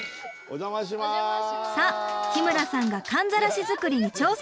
さあ日村さんがかんざらし作りに挑戦！